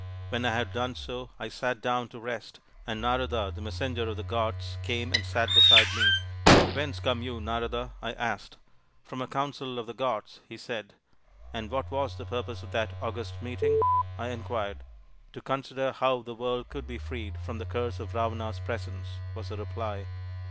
When I had done so, I sat down to rest, and Narada, the Messenger of the Gods, came and sat beside me. " c Whence come you, Narada? ' I asked. " c From a council of the gods/ he said. "' And what was the purpose of that august meeting ?' I inquired. "' To consider how the world could be freed from the curse of Ravana's presence,' was the reply.